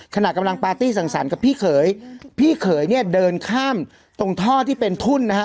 ขณะกำลังปาร์ตี้สั่งสรรค์กับพี่เขยพี่เขยเนี่ยเดินข้ามตรงท่อที่เป็นทุ่นนะฮะ